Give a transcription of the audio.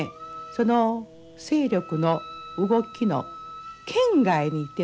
その勢力の動きの圏外にいてね